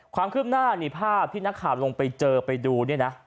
ความคลิบหน้านิภาพที่นักข่าวลงไปเจอไปดู